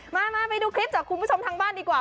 มาดูคลิปจากคุณผู้ชมทางบ้านดีกว่า